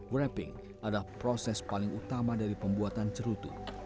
wrapping adalah proses paling utama dari pembuatan cerutu